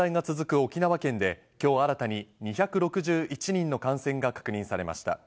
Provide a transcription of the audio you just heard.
沖縄県で、きょう新たに２６１人の感染が確認されました。